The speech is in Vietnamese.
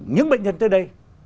những bệnh nhân tới đây